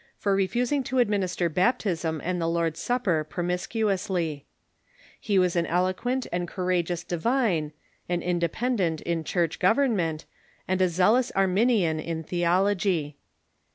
t t, tor refusing to administer baptism and the Lord s supper promiscuoush^ He was an eloquent and courageous divine, an Independent in Church government, and a zealous Arminian in theology.